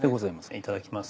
いただきます。